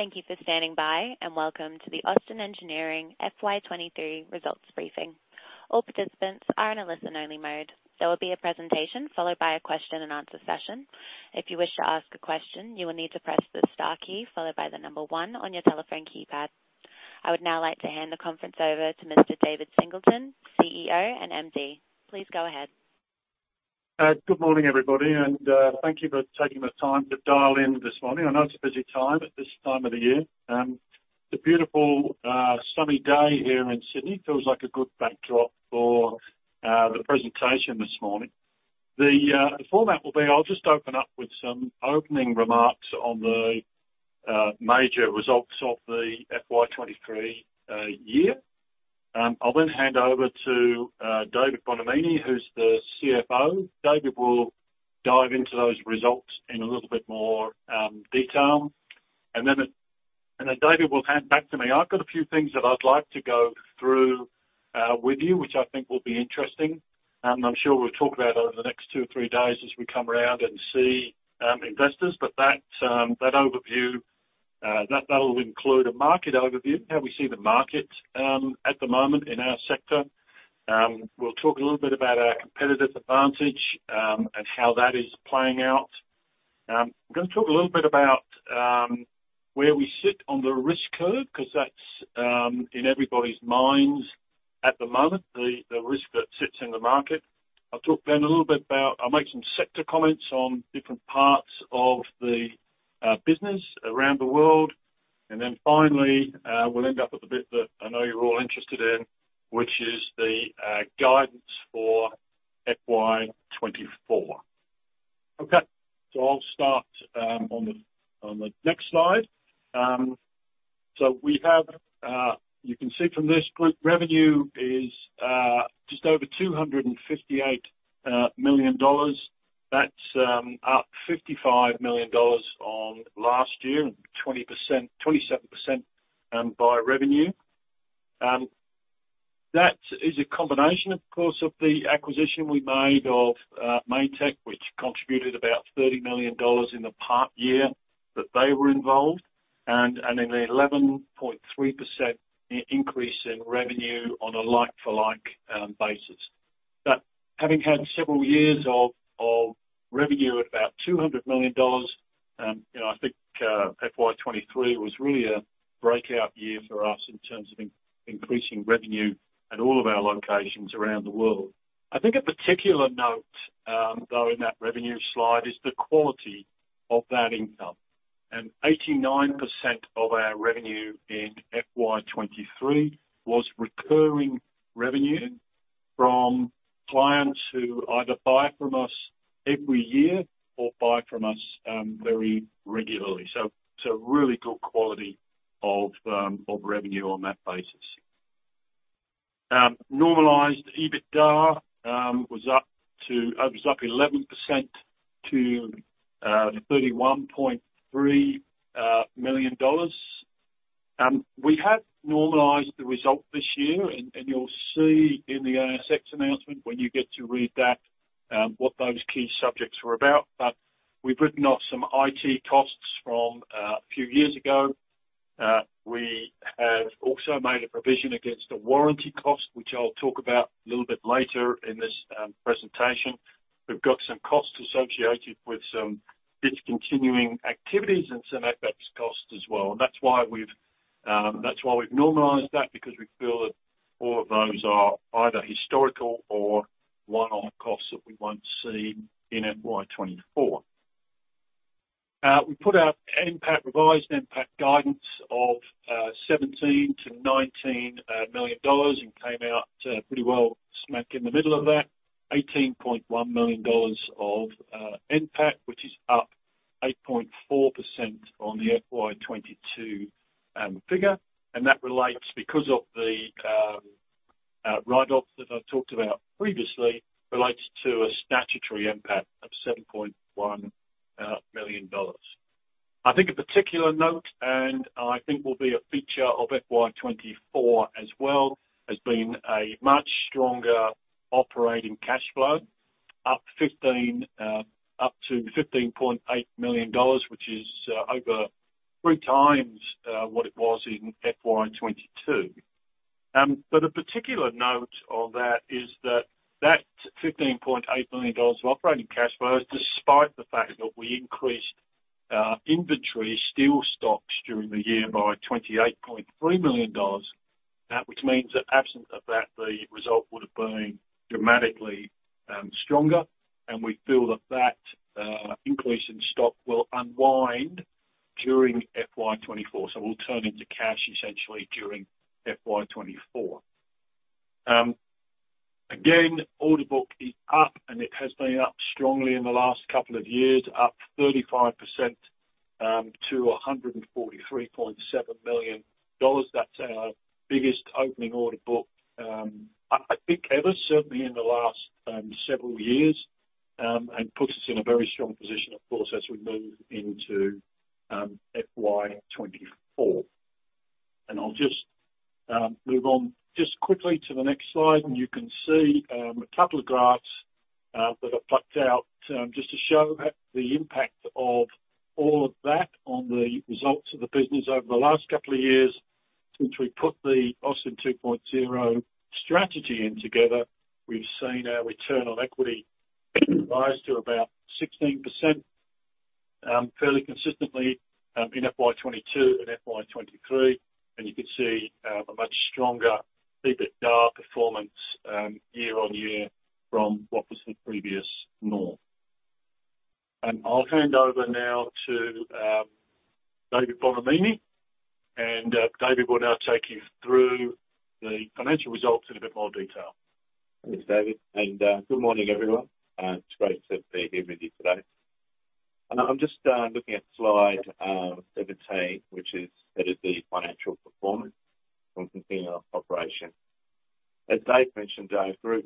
Thank you for standing by, and welcome to the Austin Engineering FY 2023 results briefing. All participants are in a listen-only mode. There will be a presentation followed by a question-and-answer session. If you wish to ask a question, you will need to press the star key followed by the number 1 on your telephone keypad. I would now like to hand the conference over to Mr. David Singleton, CEO and MD. Please go ahead. Good morning, everybody, and thank you for taking the time to dial in this morning. I know it's a busy time at this time of the year. It's a beautiful, sunny day here in Sydney. Feels like a good backdrop for the presentation this morning. The format will be, I'll just open up with some opening remarks on the major results of the FY23 year. I'll then hand over to David Bonomini, who's the CFO. David will dive into those results in a little bit more detail. And then David will hand back to me. I've got a few things that I'd like to go through with you, which I think will be interesting. I'm sure we'll talk about over the next two or three days as we come around and see investors. But that overview will include a market overview, how we see the market at the moment in our sector. We'll talk a little bit about our competitive advantage and how that is playing out. I'm gonna talk a little bit about where we sit on the risk curve, 'cause that's in everybody's minds at the moment, the risk that sits in the market. I'll talk then a little bit about... I'll make some sector comments on different parts of the business around the world. And then finally, we'll end up with the bit that I know you're all interested in, which is the guidance for FY 2024. Okay, so I'll start on the next slide. So we have, you can see from this group, revenue is just over 258 million dollars. That's up 55 million dollars on last year, and 20%-27% by revenue. That is a combination, of course, of the acquisition we made of Mainetec, which contributed about 30 million dollars in the part year that they were involved, and in the 11.3% increase in revenue on a like-for-like basis. But having had several years of revenue at about 200 million dollars, you know, I think, FY 2023 was really a breakout year for us in terms of increasing revenue at all of our locations around the world. I think a particular note, though, in that revenue slide, is the quality of that income, and 89% of our revenue in FY 2023 was recurring revenue from clients who either buy from us every year or buy from us very regularly. So really good quality of revenue on that basis. Normalized EBITDA was up 11% to 31.3 million dollars. We have normalized the result this year, and you'll see in the ASX announcement when you get to read that, what those key subjects were about. But we've written off some IT costs from a few years ago. We have also made a provision against a warranty cost, which I'll talk about a little bit later in this presentation. We've got some costs associated with some discontinuing activities and some FX costs as well. And that's why we've normalized that, because we feel that all of those are either historical or one-off costs that we won't see in FY 2024. We put out NPAT, revised NPAT guidance of 17 million-19 million dollars and came out pretty well smack in the middle of that. 18.1 million dollars of NPAT, which is up 8.4% on the FY 2022 figure. That relates because of the write-offs that I talked about previously, relates to a statutory NPAT of 7.1 million dollars. I think a particular note, and I think will be a feature of FY 2024 as well, has been a much stronger operating cash flow, up 15, up to 15.8 million dollars, which is over three times what it was in FY 2022. But a particular note of that is that that 15.8 million dollars of operating cash flow is despite the fact that we increased inventory steel stocks during the year by 28.3 million dollars. Which means that absent of that, the result would have been dramatically stronger, and we feel that that increase in stock will unwind during FY 2024. So we'll turn into cash essentially during FY 2024. Again, order book is up, and it has been up strongly in the last couple of years, up 35% to 143.7 million dollars. That's our biggest opening order book, I, I think ever, certainly in the last several years, and puts us in a very strong position, of course, as we move into FY 2024. I'll just move on just quickly to the next slide, and you can see a couple of graphs that I plucked out just to show the impact of all of that on the results of the business over the last couple of years. Since we put the Austin 2.0 strategy in together, we've seen our return on equity rise to about 16%, fairly consistently, in FY 2022 and FY 2023. And you can see a much stronger EBITDA performance, year-on-year from what was the previous norm. And I'll hand over now to David Bonomini, and David will now take you through the financial results in a bit more detail. Thanks, David, and good morning, everyone. It's great to be here with you today. I'm just looking at slide 17, which is, that is the financial performance from continuing operation. As Dave mentioned, group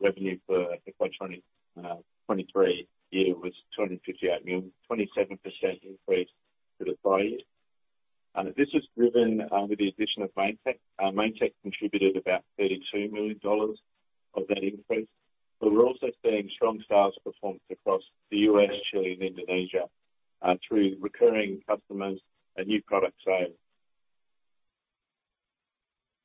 revenue for FY 2023 year was 258 million, 27% increase to the prior year. This is driven with the addition of Mainetec. Mainetec contributed about 32 million dollars of that increase, but we're also seeing strong sales performance across the US, Chile, and Indonesia through recurring customers and new product sales.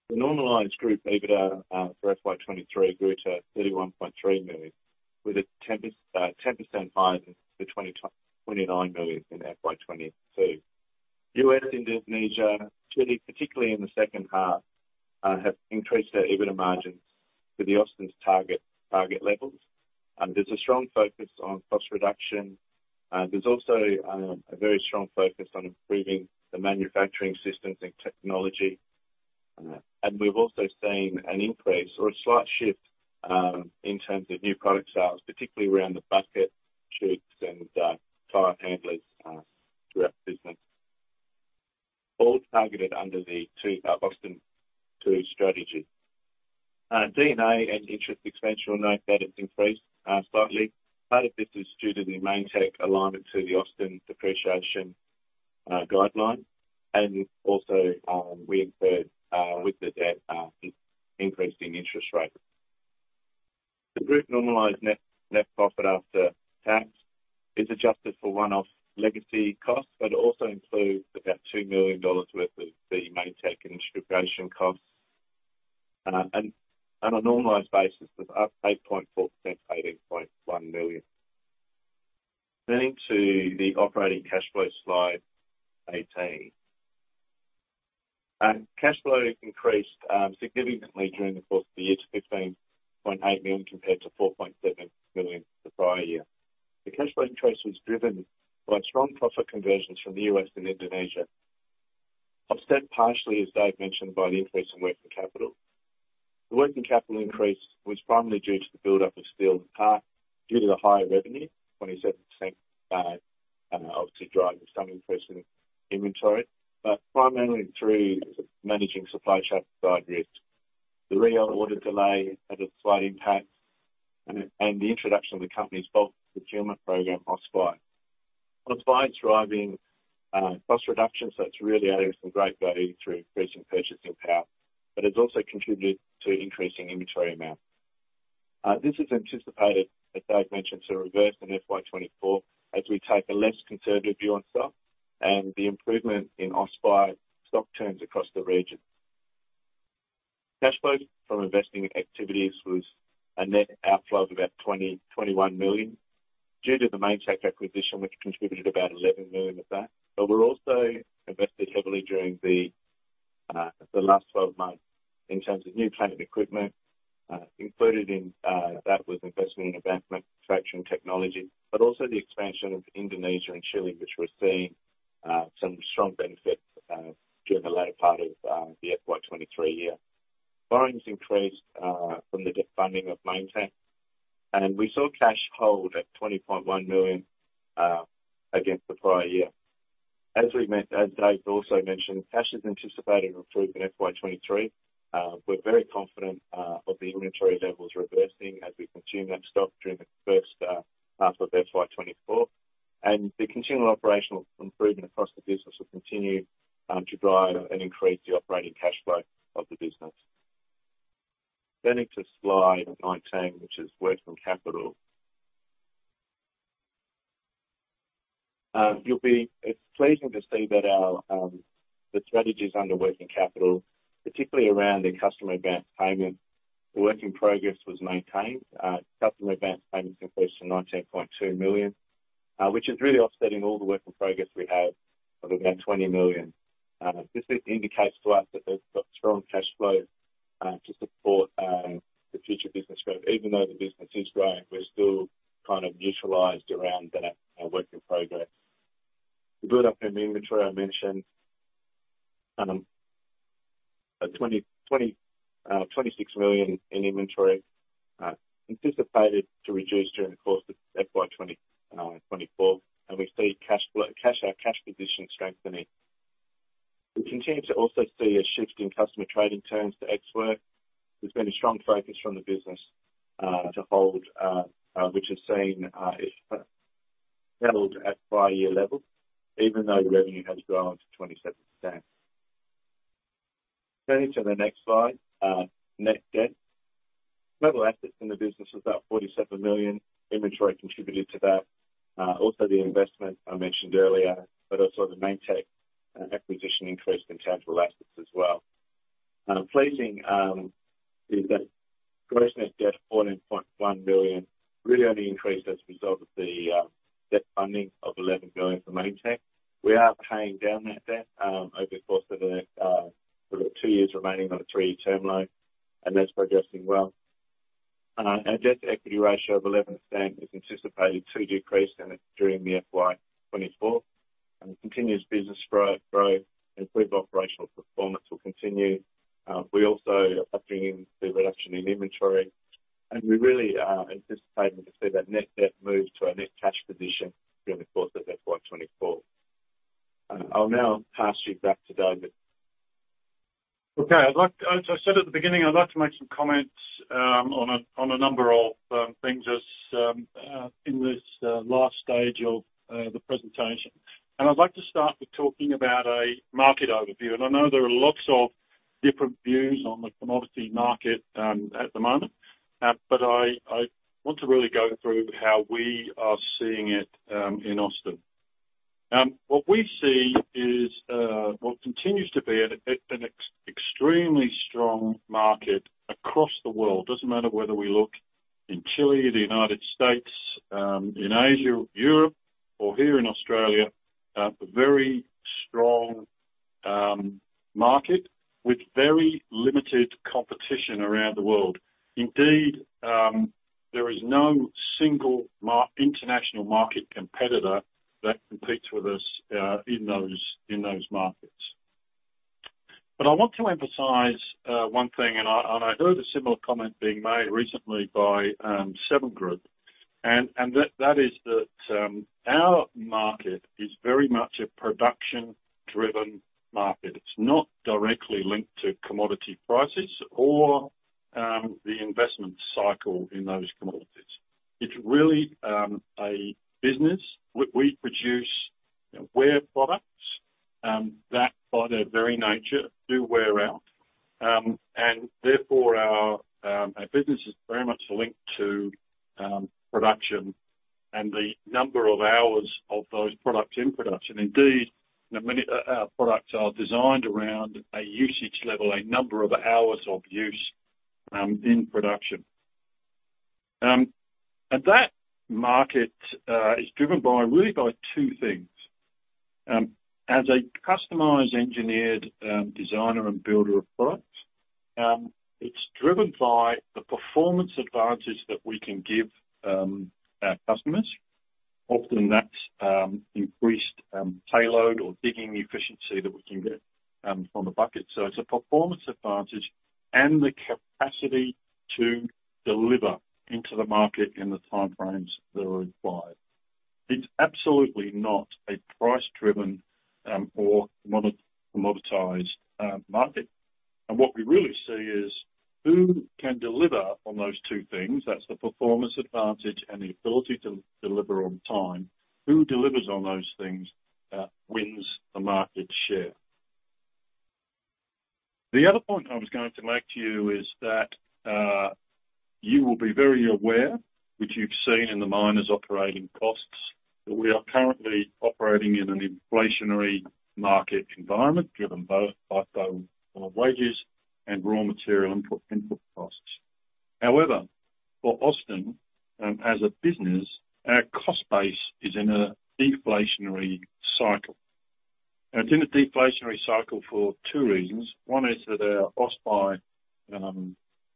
The normalized group EBITDA for FY 2023 grew to 31.3 million, with a 10% rise to 29 million in FY 2022. US, Indonesia, Chile, particularly in the second half, have increased their EBITDA margins to the Austin's target, target levels. There's a strong focus on cost reduction. There's also a very strong focus on improving the manufacturing systems and technology. And we've also seen an increase or a slight shift in terms of new product sales, particularly around the bucket, chutes, and tyre handlers throughout the business. All targeted under the 2.0 Austin 2.0 strategy. D&A and interest expense, you'll note that it's increased slightly. Part of this is due to the Mainetec alignment to the Austin depreciation guideline, and also we incurred with the debt increase in interest rates. The group normalized net, net profit after tax is adjusted for one-off legacy costs, but it also includes about 2 million dollars worth of the Mainetec integration costs. And on a normalized basis, was up 8.4% to 18.1 million. Turning to the operating cash flow, slide 18. Cash flow increased significantly during the course of the year to 15.8 million, compared to 4.7 million the prior year. The cash flow increase was driven by strong profit conversions from the U.S. and Indonesia, offset partially, as Dave mentioned, by the increase in working capital. The working capital increase was primarily due to the buildup of steel and plate, due to the higher revenue, 27%, obviously driving some increase in inventory. But primarily through managing supply chain side risks. The Rio order delay had a slight impact, and the introduction of the company's bulk procurement program, Ausbuy. Ausbuy's driving cost reduction, so it's really adding some great value through increasing purchasing power, but it's also contributed to increasing inventory amounts. This is anticipated, as Dave mentioned, to reverse in FY 2024, as we take a less conservative view on stock, and the improvement in Ausbuy stock turns across the region. Cash flow from investing activities was a net outflow of about 21 million, due to the Mainetec acquisition, which contributed about 11 million of that. But we're also invested heavily during the last 12 months in terms of new plant and equipment. Included in that was investment in advance manufacturing technology, but also the expansion of Indonesia and Chile, which we're seeing some strong benefits during the latter part of the FY 2023 year. Borrowings increased from the debt funding of Mainetec, and we saw cash hold at 20.1 million against the prior year. As Dave also mentioned, cash is anticipated to improve in FY 2023. We're very confident of the inventory levels reversing as we consume that stock during the first half of FY 2024. And the continual operational improvement across the business will continue to drive and increase the operating cash flow of the business. Then into slide 19, which is working capital. It's pleasing to see that our strategies under working capital, particularly around the customer advance payment, the work in progress was maintained. Customer advance payments increased to 19.2 million, which is really offsetting all the work in progress we have of about 20 million. This indicates to us that we've got strong cash flow to support the future business growth. Even though the business is growing, we're still kind of neutralized around that work in progress. The buildup in the inventory I mentioned, 26 million in inventory, anticipated to reduce during the course of FY 2024, and we see cash position strengthening. We continue to also see a shift in customer trading terms to ex-works. There's been a strong focus from the business to hold, which has seen, if, settled at prior year levels, even though the revenue has grown to 27%. Turning to the next slide, net debt. Total assets in the business was about 47 million. Inventory contributed to that, also the investment I mentioned earlier, but also the Mainetec acquisition increased intangible assets as well. Pleasing is that gross net debt, 14.1 million, really only increased as a result of the debt funding of 11 million for Mainetec. We are paying down that debt over the course of the next, we've got two years remaining on a three-year term loan, and that's progressing well. Our debt-to-equity ratio of 11% is anticipated to decrease in, during the FY 2024, and the continuous business growth, improved operational performance will continue. We also are factoring in the reduction in inventory, and we really anticipate to see that net debt move to a net cash position during the course of FY 2024. I'll now pass you back to David. Okay. I'd like, as I said at the beginning, I'd like to make some comments on a number of things as in this last stage of the presentation. I'd like to start with talking about a market overview. I know there are lots of different views on the commodity market at the moment. But I want to really go through how we are seeing it in Austin. What we see is what continues to be an extremely strong market across the world. Doesn't matter whether we look in Chile, the United States, in Asia, Europe, or here in Australia, a very strong market with very limited competition around the world. Indeed, there is no single international market competitor that competes with us in those markets. But I want to emphasize one thing, and I heard a similar comment being made recently by Seven Group, and that is that our market is very much a production-driven market. It's not directly linked to commodity prices or the investment cycle in those commodities. It's really a business. We produce wear products that, by their very nature, do wear out. And therefore, our business is very much linked to production and the number of hours of those products in production. Indeed, you know, many of our products are designed around a usage level, a number of hours of use in production. And that market is driven by, really by two things. As a customized, engineered, designer and builder of products, it's driven by the performance advantages that we can give our customers. Often that's increased payload or digging efficiency that we can get from the bucket. So it's a performance advantage and the capacity to deliver into the market in the timeframes that are required. It's absolutely not a price-driven or commoditized market. And what we really see is, who can deliver on those two things? That's the performance advantage and the ability to deliver on time. Who delivers on those things wins the market share. The other point I was going to make to you is that you will be very aware, which you've seen in the miners' operating costs, that we are currently operating in an inflationary market environment, driven by both wages and raw material input costs. However, for Austin, as a business, our cost base is in a deflationary cycle. It's in a deflationary cycle for two reasons. One is that our Ausbuy program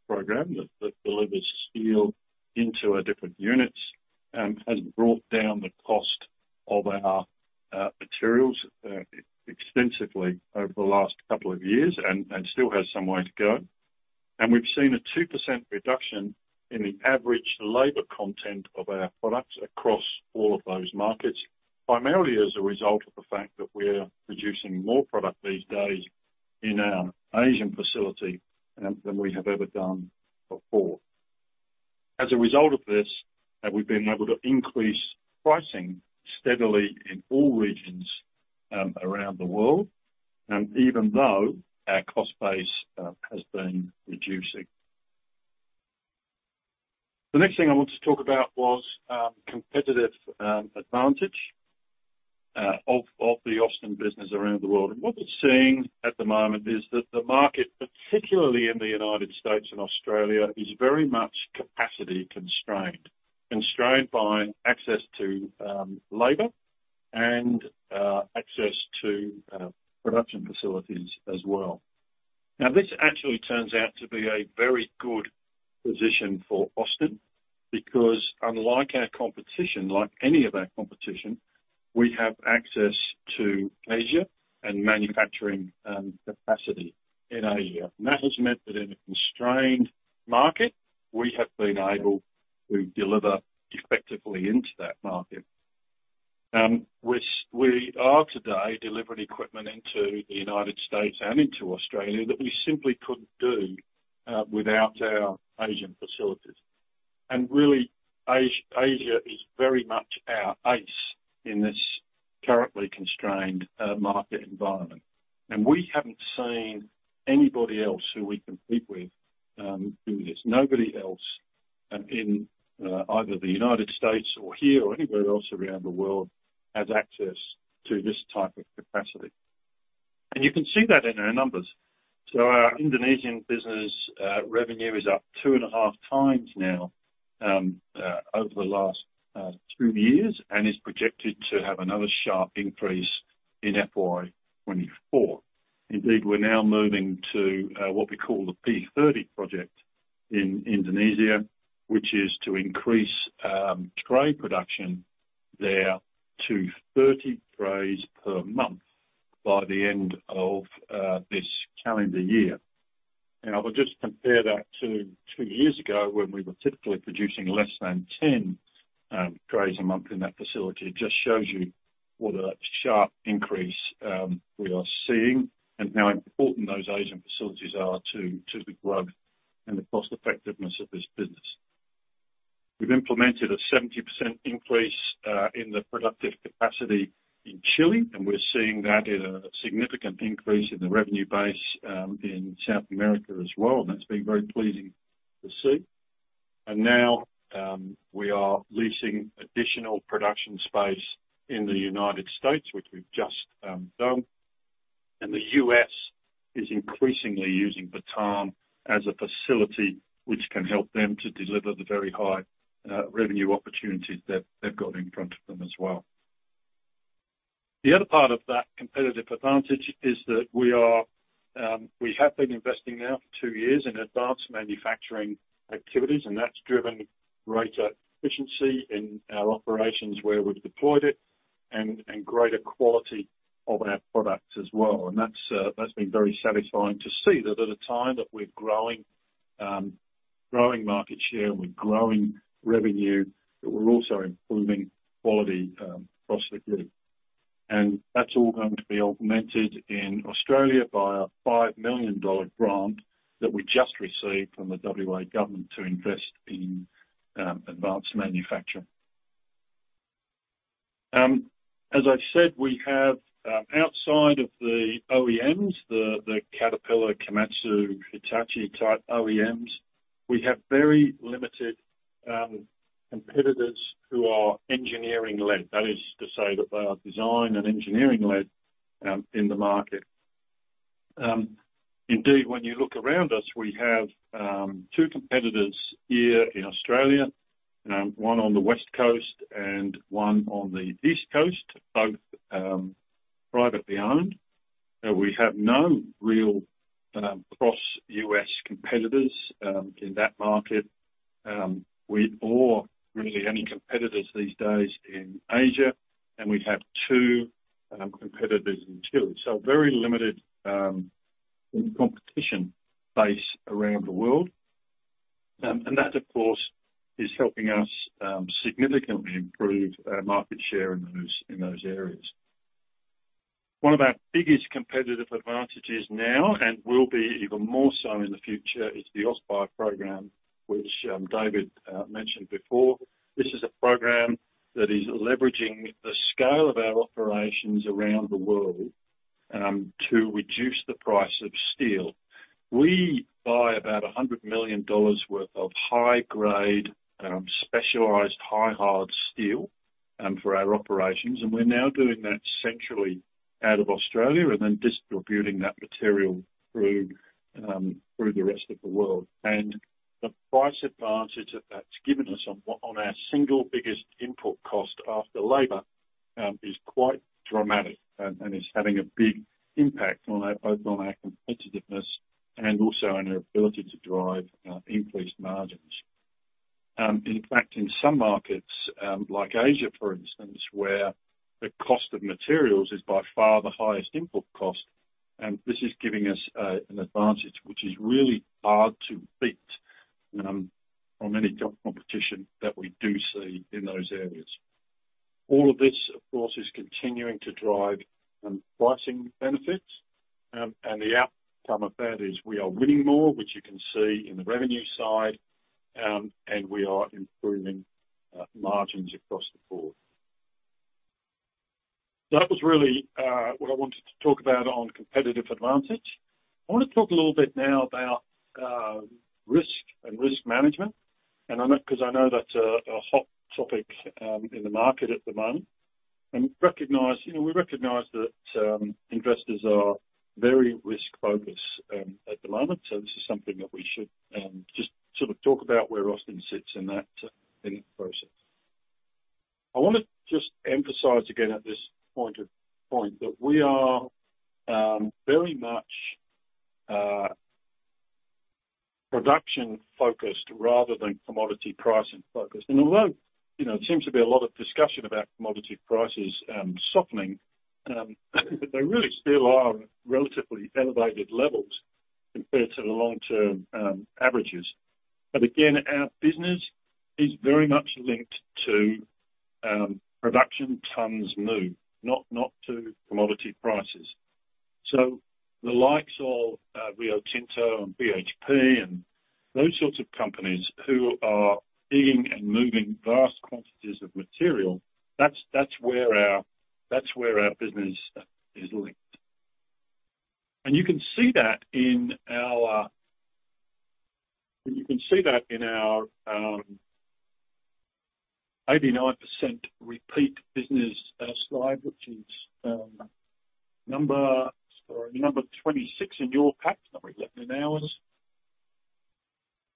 that delivers steel into our different units has brought down the cost of our materials extensively over the last couple of years and still has some way to go. We've seen a 2% reduction in the average labor content of our products across all of those markets, primarily as a result of the fact that we're producing more product these days in our Asian facility than we have ever done before. As a result of this, we've been able to increase pricing steadily in all regions around the world even though our cost base has been reducing. The next thing I want to talk about was competitive advantage of the Austin business around the world. What we're seeing at the moment is that the market, particularly in the United States and Australia, is very much capacity constrained by access to labor and access to production facilities as well. Now, this actually turns out to be a very good position for Austin, because unlike our competition, like any of our competition, we have access to Asia and manufacturing capacity in Asia. And that has meant that in a constrained market, we have been able to deliver effectively into that market. Which we are today, delivering equipment into the United States and into Australia that we simply couldn't do without our Asian facilities. And really, Asia is very much our ace in this currently constrained market environment. And we haven't seen anybody else who we compete with doing this. Nobody else in either the United States or here, or anywhere else around the world, has access to this type of capacity. And you can see that in our numbers. So our Indonesian business, revenue is up 2.5 times now, over the last two years, and is projected to have another sharp increase in FY 2024. Indeed, we're now moving to what we call the P-30 project in Indonesia, which is to increase tray production there to 30 trays per month by the end of this calendar year. And I would just compare that to two years ago, when we were typically producing less than 10 trays a month in that facility. It just shows you what a sharp increase we are seeing, and how important those Asian facilities are to the group and the cost effectiveness of this business. We've implemented a 70% increase in the productive capacity in Chile, and we're seeing that in a significant increase in the revenue base in South America as well, and that's been very pleasing to see. Now, we are leasing additional production space in the United States, which we've just done. The US is increasingly using Batam as a facility, which can help them to deliver the very high revenue opportunities that they've got in front of them as well. The other part of that competitive advantage is that we have been investing now for 2 years in advanced manufacturing activities, and that's driven greater efficiency in our operations where we've deployed it, and greater quality of our products as well. That's been very satisfying to see, that at a time that we're growing, growing market share, we're growing revenue, but we're also improving quality across the group. That's all going to be augmented in Australia by an 5 million dollar grant that we just received from the WA government to invest in advanced manufacturing. As I've said, we have, outside of the OEMs, the Caterpillar, Komatsu, Hitachi-type OEMs, we have very limited competitors who are engineering-led. That is to say, that they are design and engineering-led in the market. Indeed, when you look around us, we have two competitors here in Australia, one on the West Coast and one on the East Coast, both privately owned. We have no real, cross-US competitors, in that market, or really any competitors these days in Asia, and we have two, competitors in Chile. So very limited, competition base around the world. And that, of course, is helping us, significantly improve our market share in those, in those areas. One of our biggest competitive advantages now, and will be even more so in the future, is the Ausbuy program, which, David, mentioned before. This is a program that is leveraging the scale of our operations around the world, to reduce the price of steel. We buy about $100 million worth of high-grade, specialized, high-hard steel, for our operations, and we're now doing that centrally out of Australia, and then distributing that material through, through the rest of the world. The price advantage that that's given us on our single biggest input cost after labor is quite dramatic. It's having a big impact on both our competitiveness and also on our ability to drive increased margins. In fact, in some markets like Asia, for instance, where the cost of materials is by far the highest input cost, and this is giving us an advantage which is really hard to beat from any competition that we do see in those areas. All of this, of course, is continuing to drive pricing benefits. The outcome of that is we are winning more, which you can see in the revenue side, and we are improving margins across the board. That was really what I wanted to talk about on competitive advantage. I want to talk a little bit now about risk and risk management, and I know—'cause I know that's a hot topic in the market at the moment. You know, we recognize that investors are very risk-focused at the moment, so this is something that we should just sort of talk about where Austin sits in that process. I wanna just emphasize again at this point that we are very much production-focused rather than commodity pricing focused. And although, you know, there seems to be a lot of discussion about commodity prices softening, they really still are relatively elevated levels compared to the long-term averages. But again, our business is very much linked to production tons moved, not to commodity prices. So the likes of Rio Tinto and BHP and those sorts of companies who are digging and moving vast quantities of material, that's where our business is linked. You can see that in our 89% repeat business slide, which is number, sorry, number 26 in your pack, number 11 in ours.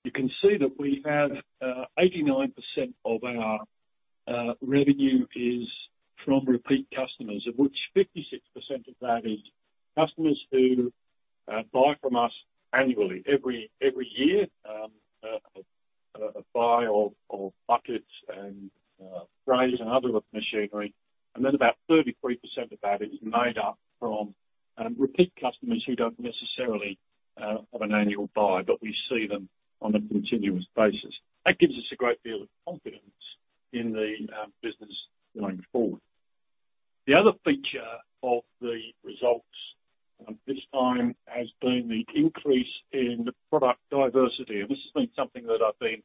You can see that we have 89% of our revenue from repeat customers, of which 56% of that is customers who buy from us annually, every year, a buy of buckets and grates and other machinery. And then about 33% of that is made up from repeat customers who don't necessarily have an annual buy, but we see them on a continuous basis. That gives us a great deal of confidence in the business going forward. The other feature of the results this time has been the increase in the product diversity. This has been something that I've been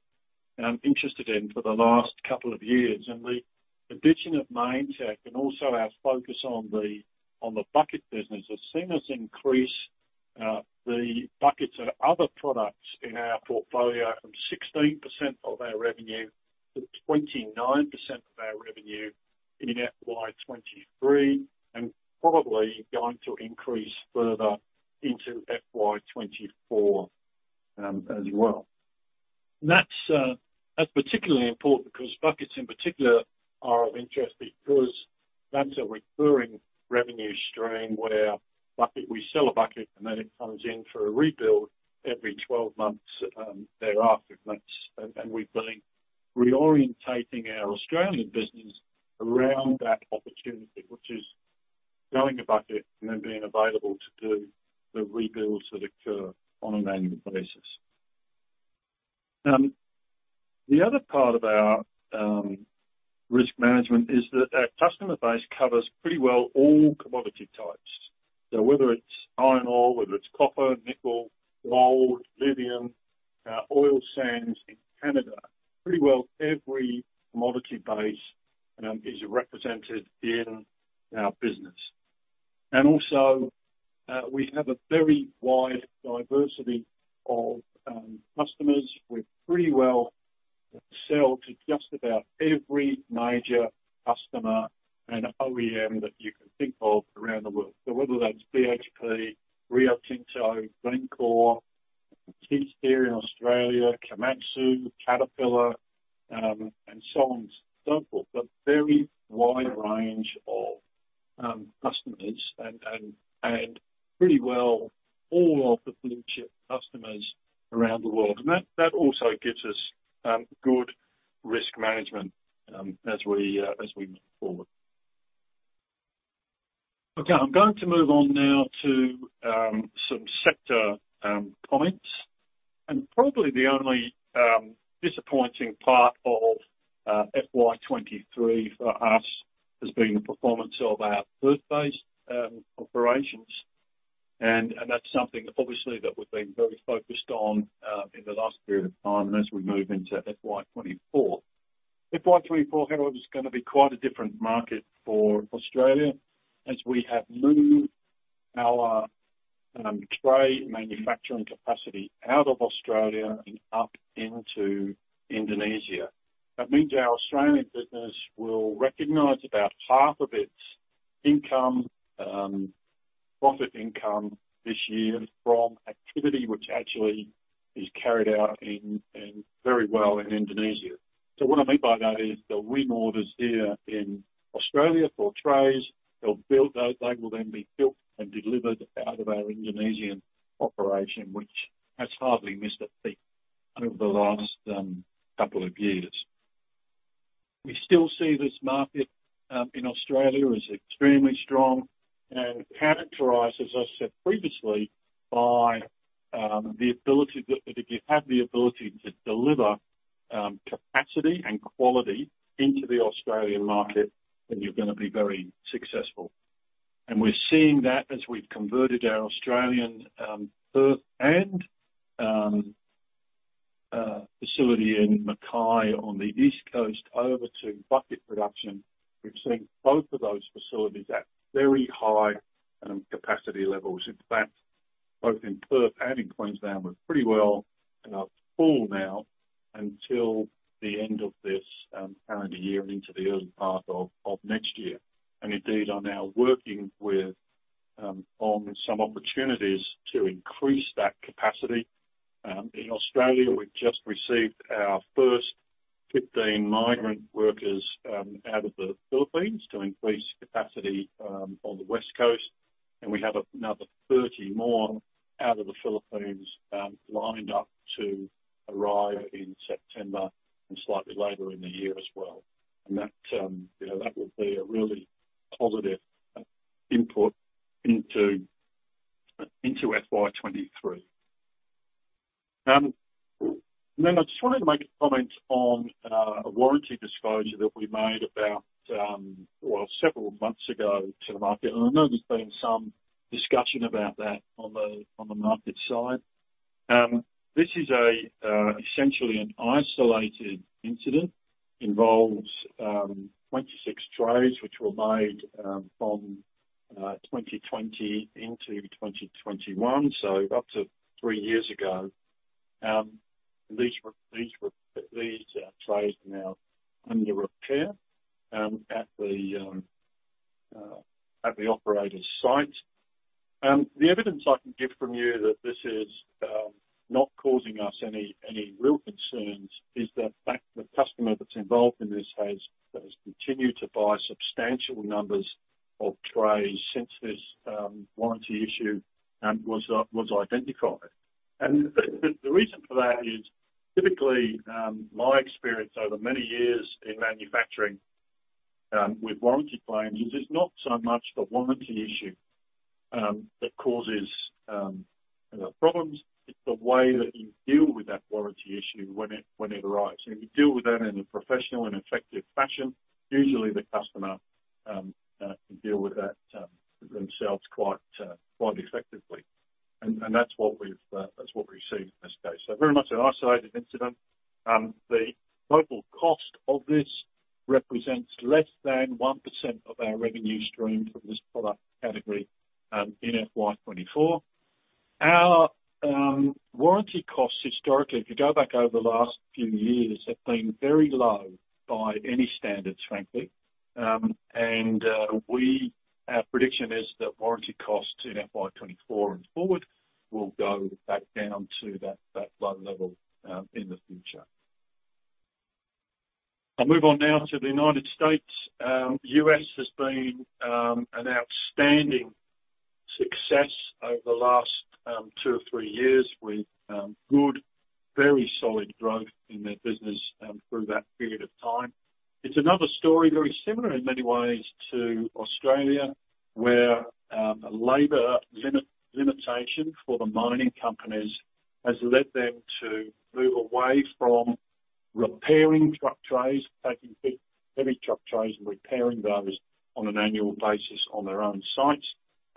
interested in for the last couple of years. The addition of Mainetec, and also our focus on the bucket business, has seen us increase the buckets and other products in our portfolio from 16% of our revenue to 29% of our revenue in FY 2023, and probably going to increase further into FY 2024 as well. That's particularly important because buckets in particular are of interest, because that's a recurring revenue stream where we sell a bucket, and then it comes in for a rebuild every 12 months thereafter. We've been reorienting our Australian business around that opportunity, which is selling a bucket and then being available to do the rebuilds that occur on an annual basis. The other part about risk management is that our customer base covers pretty well all commodity types. So whether it's iron ore, whether it's copper, nickel, gold, lithium, oil sands in Canada, pretty well every commodity base is represented in our business. Also, we have a very wide diversity of customers. We pretty well sell to just about every major customer and OEM that you can think of around the world. So whether that's BHP, Rio Tinto, Glencore, Thiess here in Australia, Komatsu, Caterpillar, and so on, so forth, but very wide range of customers and pretty well all of the blue chip customers around the world. That also gives us good risk management as we move forward. Okay, I'm going to move on now to some sector comments. Probably the only disappointing part of FY 2023 for us has been the performance of our Perth-based operations. And that's something obviously that we've been very focused on in the last period of time as we move into FY 2024. FY 2024, however, is gonna be quite a different market for Australia as we have moved our tray manufacturing capacity out of Australia and up into Indonesia. That means our Australian business will recognize about half of its income, profit income this year from activity which actually is carried out very well in Indonesia. So what I mean by that is, the win orders here in Australia for trays, they'll build those. They will then be built and delivered out of our Indonesian operation, which has hardly missed a beat over the last couple of years. We still see this market in Australia as extremely strong and characterized, as I said previously, by the ability. If you have the ability to deliver capacity and quality into the Australian market, then you're gonna be very successful. And we're seeing that as we've converted our Australian Perth and facility in Mackay on the East Coast over to bucket production. We've seen both of those facilities at very high capacity levels. In fact, both in Perth and in Queensland, we're pretty well full now until the end of this calendar year and into the early part of next year. And indeed, are now working on some opportunities to increase that capacity. In Australia, we've just received our first 15 migrant workers out of the Philippines to increase capacity on the West Coast. And we have another 30 more out of the Philippines lined up to arrive in September and slightly later in the year as well. And that, you know, that will be a really positive input into FY 2023. Then I just wanted to make a comment on a warranty disclosure that we made about, well, several months ago to the market, and I know there's been some discussion about that on the market side. This is essentially an isolated incident, involves 26 trays which were made from 2020 into 2021, so up to 3 years ago. These trays are now under repair at the operator's site. The evidence I can give from you that this is not causing us any real concerns is the fact the customer that's involved in this has continued to buy substantial numbers of trays since this warranty issue was identified. The reason for that is typically my experience over many years in manufacturing with warranty claims is it's not so much the warranty issue that causes you know problems. It's the way that you deal with that warranty issue when it arrives. And if you deal with that in a professional and effective fashion usually the customer can deal with that themselves quite effectively. And that's what we've seen in this case. So very much an isolated incident. The total cost of this represents less than 1% of our revenue stream from this product category in FY 2024. Our warranty costs historically if you go back over the last few years have been very low by any standards frankly. Our prediction is that warranty costs in FY 2024 and forward will go back down to that, that low level in the future. I'll move on now to the United States. US has been an outstanding success over the last two or three years, with good, very solid growth in their business through that period of time. It's another story, very similar in many ways to Australia, where a labor limitation for the mining companies has led them to move away from repairing truck trays, taking big, heavy truck trays and repairing those on an annual basis on their own sites.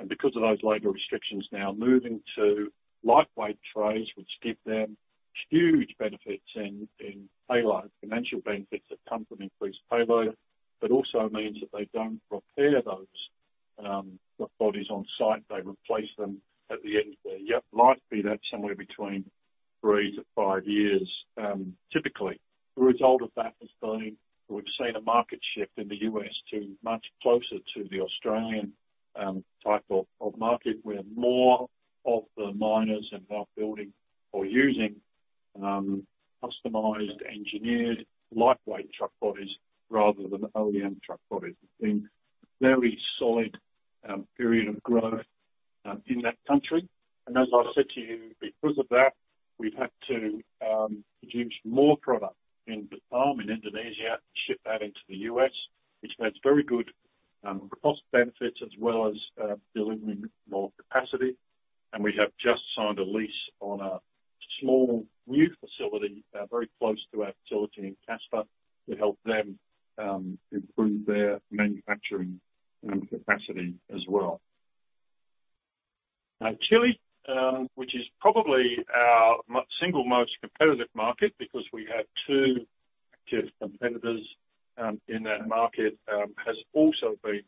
And because of those labor restrictions, now moving to lightweight trays, which give them huge benefits in, in payload, financial benefits that come from increased payload. But also means that they don't repair those, truck bodies on site. They replace them at the end of their life, be that somewhere between 3-5 years, typically. The result of that has been, we've seen a market shift in the U.S. to much closer to the Australian, type of, of market, where more of the miners are now building or using, customized, engineered, lightweight truck bodies rather than OEM truck bodies. It's been a very solid, period of growth, in that country. And as I said to you, because of that, we've had to, produce more product in Batam, in Indonesia, ship that into the U.S., which makes very good, cost benefits as well as, delivering more capacity. And we have just signed a lease on a small new facility very close to our facility in Casper, to help them improve their manufacturing capacity as well. Now, Chile, which is probably our single most competitive market, because we have two active competitors in that market, has also been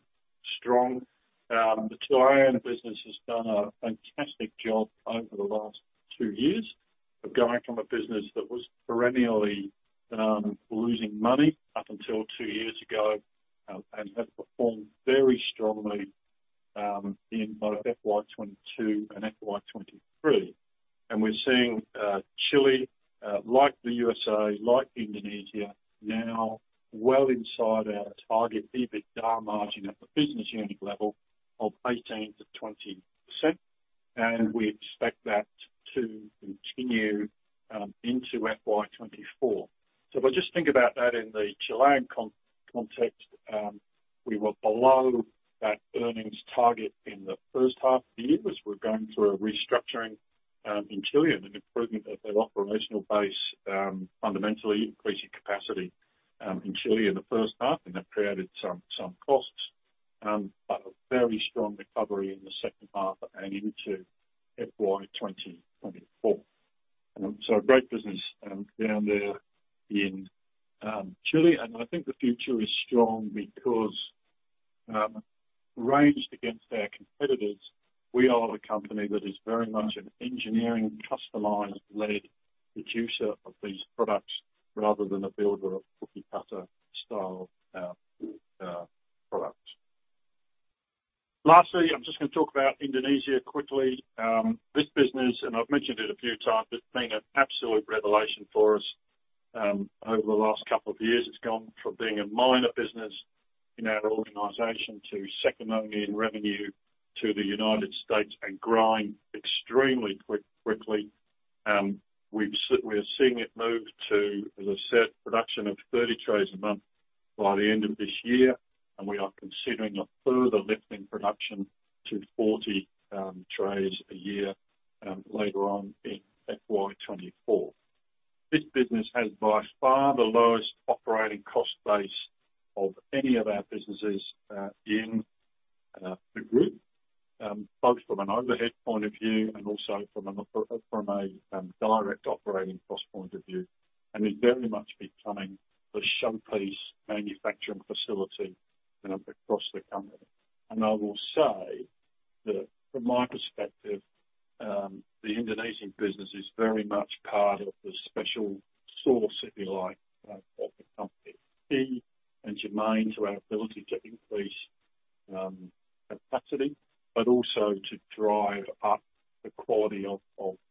strong. The Chilean business has done a fantastic job over the last two years of going from a business that was perennially losing money up until two years ago, and has performed very strongly in both FY 2022 and FY 2023. And we're seeing Chile, like the USA, like Indonesia, now well inside our target EBITDA margin at the business unit level of 18%-20%, and we expect that to continue into FY 2024. So if I just think about that in the Chilean context, we were below that earnings target in the first half of the year, as we're going through a restructuring in Chile and an improvement of their operational base, fundamentally increasing capacity in Chile in the first half, and that created some costs. But a very strong recovery in the second half and into FY 2024. So great business down there in Chile. And I think the future is strong because, ranged against our competitors, we are a company that is very much an engineering, customized-led producer of these products, rather than a builder of cookie-cutter style products. Lastly, I'm just gonna talk about Indonesia quickly. This business, and I've mentioned it a few times, it's been an absolute revelation for us over the last couple of years. It's gone from being a minor business in our organization, to second only in revenue to the United States, and growing extremely quick, quickly. We are seeing it move to, as I said, production of 30 trays a month by the end of this year, and we are considering a further lift in production to 40 trays a year later on in FY 2024. This business has, by far, the lowest operating cost base of any of our businesses in the group. Both from an overhead point of view and also from a direct operating cost point of view, and is very much becoming the showpiece manufacturing facility, you know, across the company. And I will say that from my perspective, the Indonesian business is very much part of the special source, if you like, of the company, key and germane to our ability to increase capacity, but also to drive up the quality of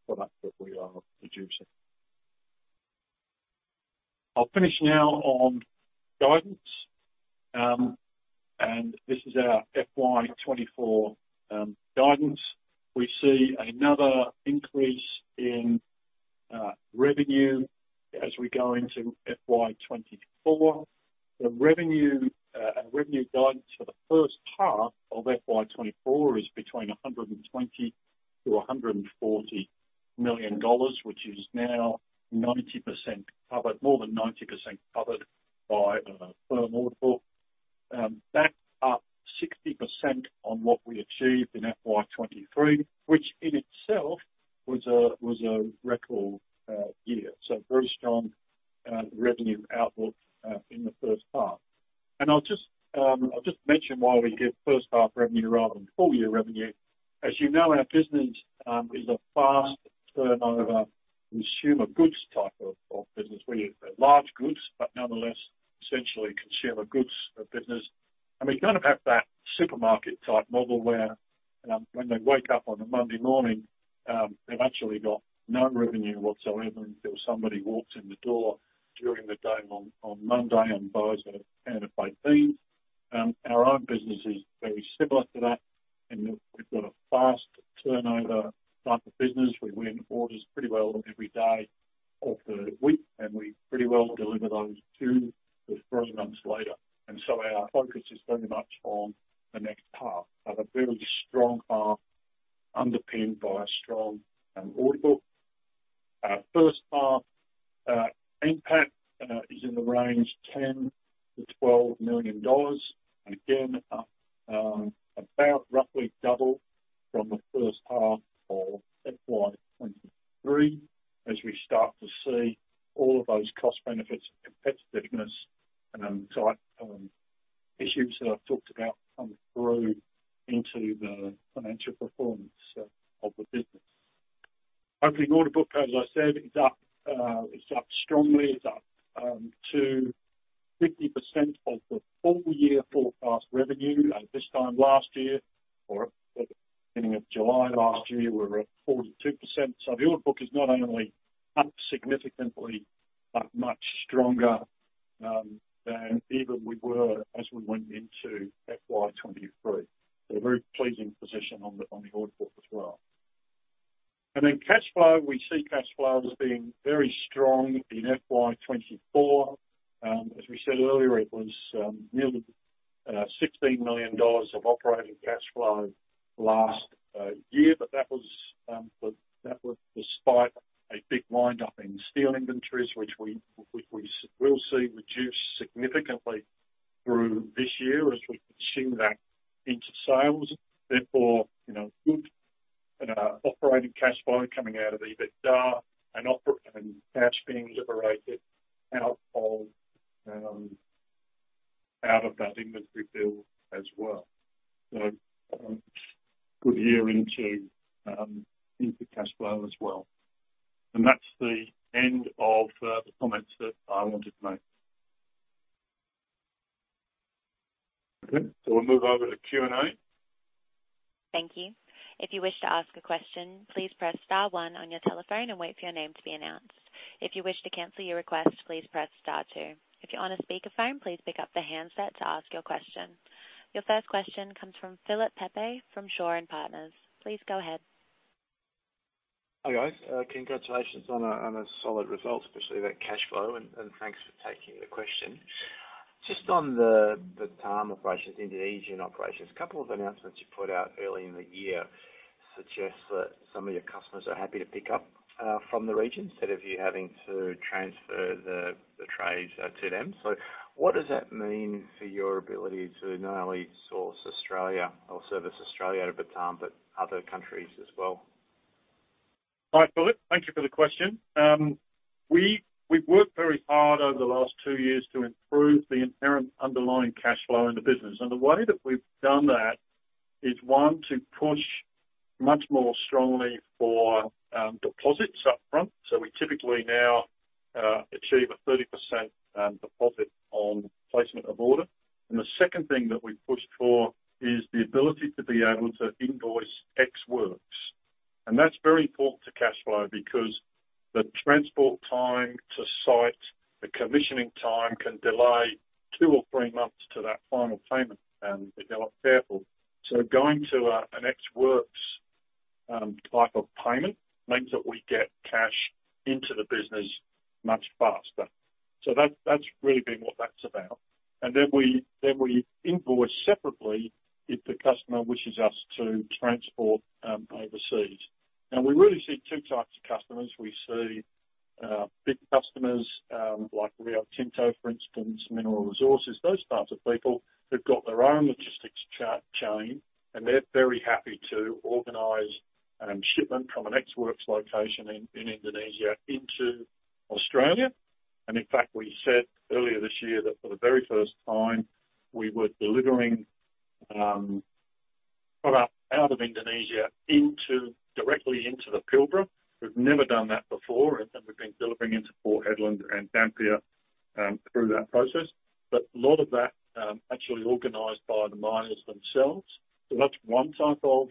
product that we are producing. I'll finish now on guidance. And this is our FY 2024 guidance. We see another increase in revenue as we go into FY 2024. The revenue guidance for the first half of FY 2024 is between 120 million-140 million dollars, which is now 90% covered, more than 90% covered by firm order book. That's up 60% on what we achieved in FY 2023, which in itself was a record year. So very strong revenue outlook in the first half. And I'll just, I'll just mention why we give first half revenue rather than full year revenue. As you know, our business is a fast turnover, consumer goods type of business. We have large goods, but nonetheless, essentially consumer goods business. And we kind of have that supermarket type model where, when they wake up on a Monday morning, they've actually got no revenue whatsoever until somebody walks in the door during the day on Monday and buys a can of baked beans. Our own business is very similar to that out of that inventory build as well. So, good year into cash flow as well. And that's the end of the comments that I wanted to make. Okay, so we'll move over to Q&A. Thank you. If you wish to ask a question, please press star one on your telephone and wait for your name to be announced. If you wish to cancel your request, please press star two. If you're on a speakerphone, please pick up the handset to ask your question. Your first question comes from Philip Pepe, from Shaw and Partners. Please go ahead. Hi, guys. Congratulations on a, on a solid result, especially that cash flow, and, and thanks for taking the question. Just on the, the Batam operations, Indonesian operations, a couple of announcements you put out early in the year suggest that some of your customers are happy to pick up, from the region, instead of you having to transfer the, the trays, to them. So what does that mean for your ability to not only source Australia or service Australia out of Batam, but other countries as well? Hi, Philip. Thank you for the question. We've worked very hard over the last two years to improve the inherent underlying cash flow in the business, and the way that we've done that is, one, to push much more strongly for deposits up front. So we typically now achieve a 30% deposit on placement of order. And the second thing that we've pushed for is the ability to be able to invoice ex-works. And that's very important to cash flow, because the transport time to site, the commissioning time, can delay two or three months to that final payment, if you're not careful. So going to an ex-works type of payment means that we get cash into the business much faster. So that, that's really been what that's about. And then we invoice separately if the customer wishes us to transport overseas. Now, we really see two types of customers. We see big customers like Rio Tinto, for instance, Mineral Resources, those types of people. They've got their own logistics chain, and they're very happy to organize shipment from an ex-works location in Indonesia into Australia. And in fact, we said earlier this year that for the very first time, we were delivering product out of Indonesia directly into the Pilbara. We've never done that before, and then we've been delivering into Port Hedland and Dampier through that process. But a lot of that actually organized by the miners themselves. So that's one type of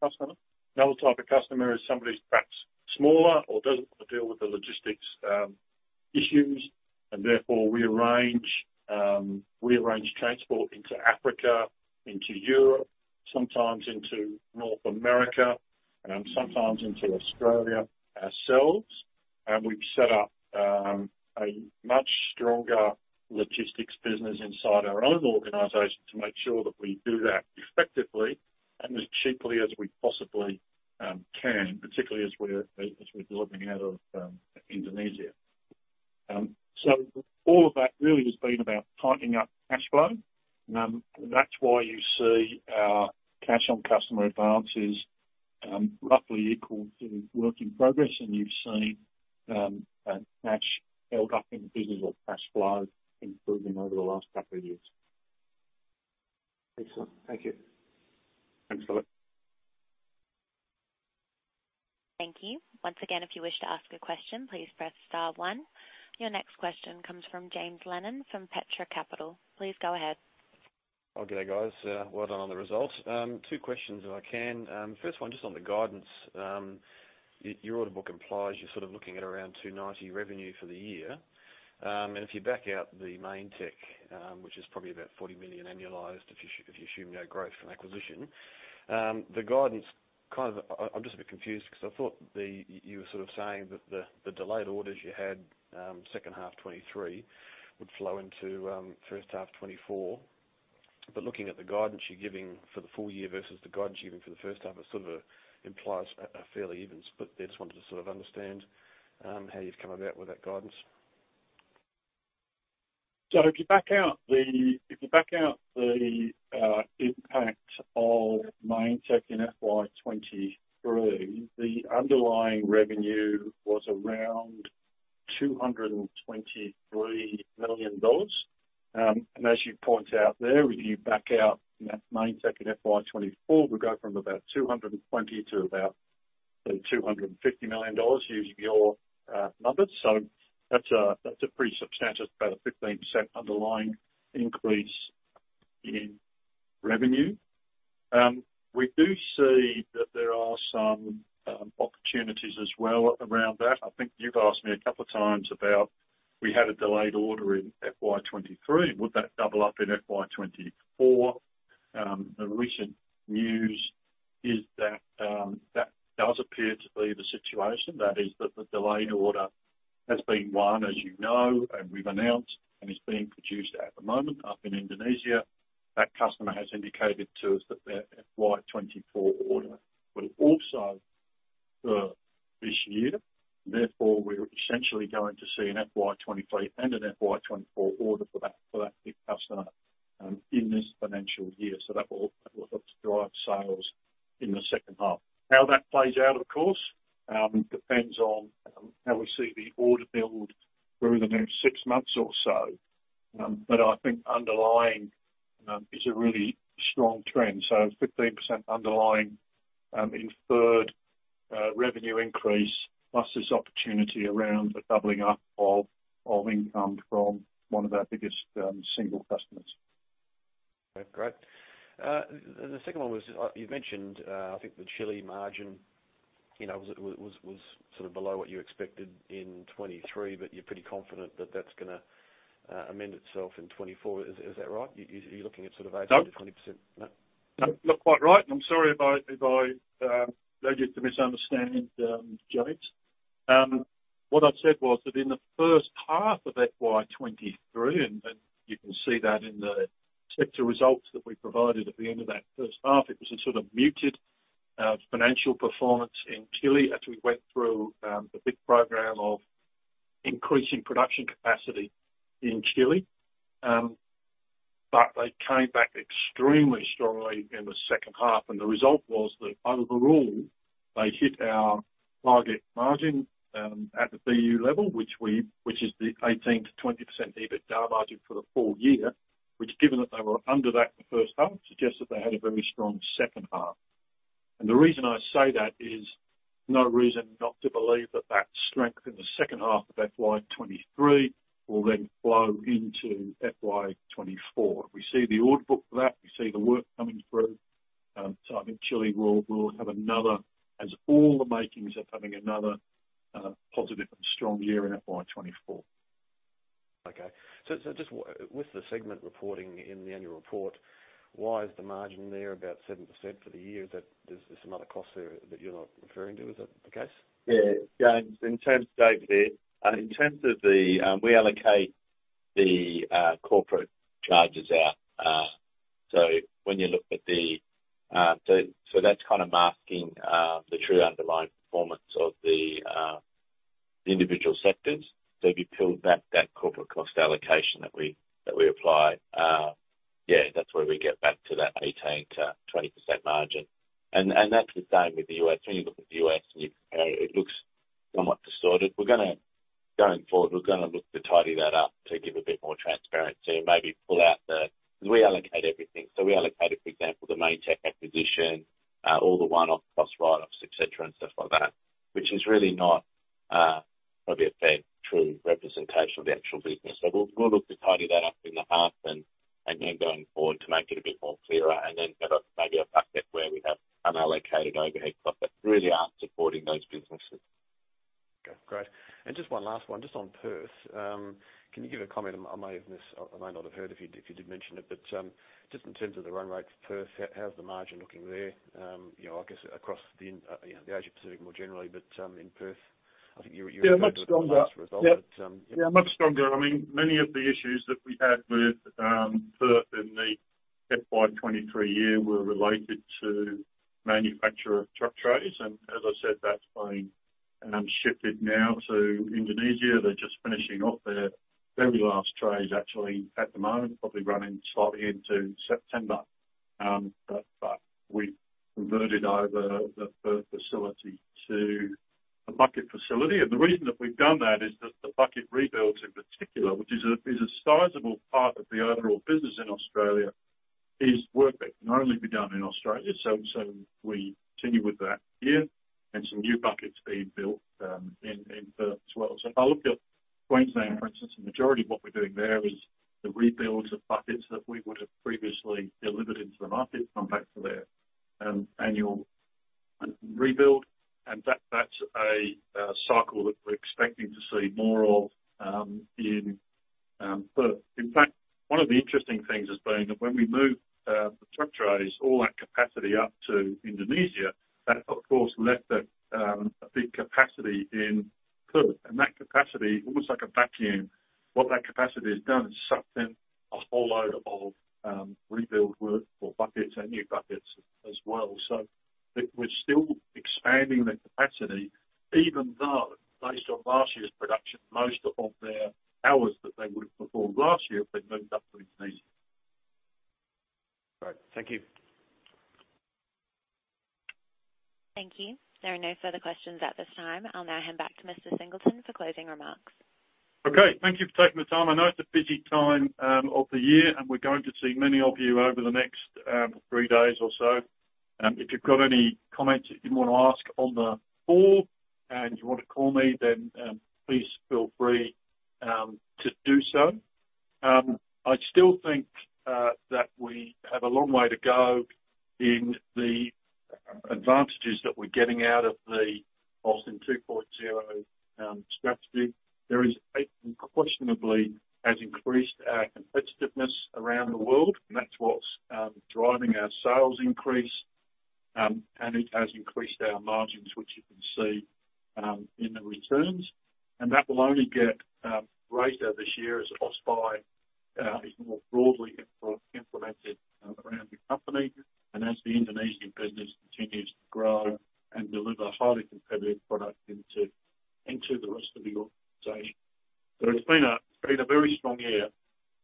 customer. The other type of customer is somebody who's perhaps smaller or doesn't want to deal with the logistics issues, and therefore we arrange transport into Africa, into Europe, sometimes into North America, and sometimes into Australia ourselves. We've set up a much stronger logistics business inside our own organization to make sure that we do that effectively and as cheaply as we possibly can, particularly as we're delivering out of Indonesia. So all of that really has been about tightening up cash flow. That's why you see our cash on customer advances roughly equal to work in progress, and you've seen a match held up in terms of cash flow improving over the last couple of years. Excellent. Thank you. Thanks, Philip. Thank you. Once again, if you wish to ask a question, please press star one. Your next question comes from James Lennon from Petra Capital. Please go ahead. Oh, good day, guys. Well done on the results. Two questions if I can. First one, just on the guidance. Your order book implies you're sort of looking at around 290 million revenue for the year. And if you back out the Mainetec, which is probably about 40 million annualized, if you assume no growth from acquisition, the guidance kind of... I'm just a bit confused, because I thought you were sort of saying that the delayed orders you had, second half 2023, would flow into first half 2024. But looking at the guidance you're giving for the full year versus the guidance you're giving for the first half, it sort of implies a fairly even split. I just wanted to sort of understand how you've come about with that guidance. So if you back out the impact of Mainetec in FY 2023, the underlying revenue was around 223 million dollars. And as you point out there, when you back out that Mainetec in FY 2024, we go from about 220 million to about 250 million dollars, using your numbers. So that's a pretty substantial, about a 15% underlying increase in revenue. We do see that there are some opportunities as well around that. I think you've asked me a couple of times about, we had a delayed order in FY 2023, would that double up in FY 2024? The recent news is that that does appear to be the situation. That is, that the delayed order has been won, as you know, and we've announced, and is being produced at the moment up in Indonesia. That customer has indicated to us that their FY 2024 order will also serve this year. Therefore, we're essentially going to see an FY 2023 and an FY 2024 order for that, for that big customer, in this financial year. So that will, that will help to drive sales in the second half. How that plays out, of course, depends on how we see the order build through the next six months or so. But I think underlying, is a really strong trend. So 15% underlying, inferred, revenue increase, plus there's opportunity around the doubling up of, of income from one of our biggest, single customers. Great. The second one was, you mentioned, I think the Chile margin, you know, was sort of below what you expected in 2023, but you're pretty confident that that's gonna amend itself in 2024. Is that right? You're looking at sort of 8%-20%? No. No? Not quite right, and I'm sorry if I led you to misunderstanding, James. What I said was that in the first half of FY 2023, and you can see that in the sector results that we provided at the end of that first half, it was a sort of muted financial performance in Chile as we went through the big program of increasing production capacity in Chile. But they came back extremely strongly in the second half, and the result was that under the rule, they hit our target margin at the BU level, which is the 18%-20% EBITDA margin for the full year. Which, given that they were under that the first half, suggests that they had a very strong second half. The reason I say that is, no reason not to believe that that strength in the second half of FY 2023 will then flow into FY 2024. We see the order book for that, we see the work coming through, so I think Chile will have another, has all the makings of having another, positive and strong year in FY 2024. Okay, so just with the segment reporting in the annual report, why is the margin there about 7% for the year? Is that, there's another cost there that you're not referring to, is that the case? Yeah, James, in terms of Dave there, in terms of the, we allocate the corporate charges out. So when you look at the, so that's kind of masking the true underlying performance of the individual sectors. So if you peeled back that corporate cost allocation that we, that we apply, yeah, that's where we get back to that 18%-20% margin. And, and that's the same with the US. When you look at the US, and you, you know, it looks somewhat distorted. We're gonna going forward, we're gonna look to tidy that up to give a bit more transparency and maybe pull out the... We allocate everything. So we allocated, for example, the Mainetec acquisition, all the one-off cost write-offs, et cetera, and stuff like that, which is really not probably a fair, true representation of the actual business. So we'll look to tidy that up in the half, and then going forward, to make it a bit more clearer, and then get a, maybe a bucket where we have unallocated overhead costs that really aren't supporting those businesses. Okay, great. And just one last one, just on Perth. Can you give a comment? I may have missed. I may not have heard if you, if you did mention it, but just in terms of the run rates, Perth, how's the margin looking there? You know, I guess across the in, you know, the Asia Pacific more generally, but in Perth, I think you, you- Yeah, much stronger. -mentioned it in the last result, but, yeah. Yeah, much stronger. I mean, many of the issues that we had with Perth in the FY 2023 year were related to manufacturing of truck trays. And as I said, that's been shifted now to Indonesia. They're just finishing off their very last trays actually, at the moment, probably running slightly into September. But we've converted over the Perth facility to a bucket facility. And the reason that we've done that is that the bucket rebuilds, in particular, which is a sizable part of the overall business in Australia, is work that can only be done in Australia. So we continue with that here, and some new buckets being built in Perth as well. So if I look at Queensland, for instance, the majority of what we're doing there is the rebuilds of buckets that we would have previously delivered into the market, come back to their annual rebuild. And that, that's a cycle that we're expecting to see more of in Perth. In fact, one of the interesting things has been that when we moved the truck trays, all that capacity up to Indonesia, that of course left a big capacity in Perth. And that capacity, almost like a vacuum, what that capacity has done is sucked in a whole load of rebuild work for buckets and new buckets as well. So we're still expanding the capacity, even though based on last year's production, most of their hours that they would have performed last year have been moved up to Indonesia. Great. Thank you. Thank you. There are no further questions at this time. I'll now hand back to Mr. Singleton for closing remarks. Okay, thank you for taking the time. I know it's a busy time of the year, and we're going to see many of you over the next three days or so. If you've got any comments that you want to ask on the call and you want to call me, then please feel free to do so. I still think that we have a long way to go in the advantages that we're getting out of the Austin 2.0 strategy. There is, unquestionably, has increased our competitiveness around the world, and that's what's driving our sales increase. And it has increased our margins, which you can see in the returns. And that will only get greater this year as Ausbuy is more broadly implemented around the company, and as the Indonesian business continues to grow and deliver highly competitive product into the rest of the organization. So it's been a very strong year.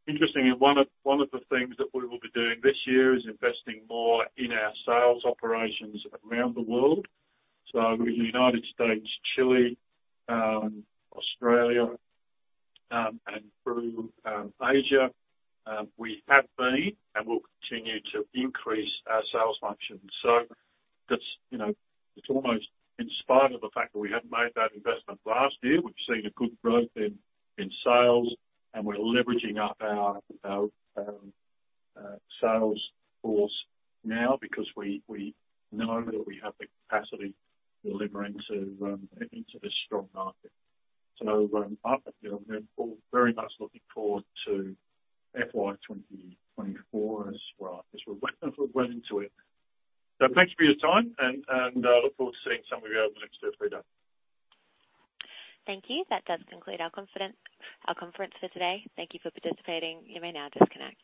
Interestingly, one of the things that we will be doing this year is investing more in our sales operations around the world. So in the United States, Chile, Australia, and through Asia, we have been and will continue to increase our sales functions. So that's, you know, it's almost in spite of the fact that we haven't made that investment last year, we've seen a good growth in, in sales, and we're leveraging up our, our, sales force now because we, we know that we have the capacity delivering to, into this strong market. So, I'm, you know, we're all very much looking forward to FY 2024 as well, as we're went, we're went into it. So thank you for your time, and, and, look forward to seeing some of you over the next two or three days. Thank you. That does conclude our conference for today. Thank you for participating. You may now disconnect.